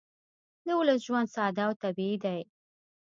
د ولس ژوند ساده او طبیعي دی